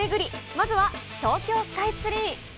まずは東京スカイツリー。